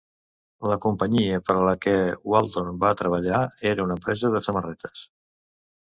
La companyia per a la que Wauldron va treballar era una empresa de samarretes.